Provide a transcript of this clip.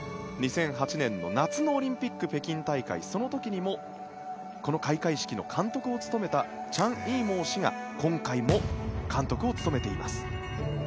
２００８年の夏のオリンピック、北京大会その時にもこの開会式の監督を務めたチャン・イーモウ氏が今回も監督を務めています。